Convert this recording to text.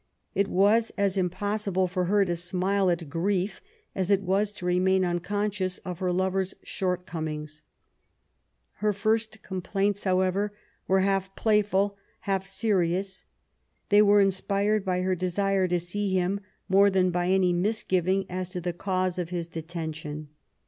It was as impossible for her to smile at grief as it was to remain unconscious of her lover's shortcomings. Her first complaints, however, are half playful, half serious. They were inspired by her desire to see him more than by any misgiving as to the cause of his detention.